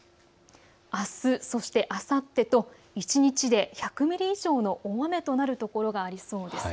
あす、そしてあさってと一日で１００ミリ以上の大雨となる所がありそうです。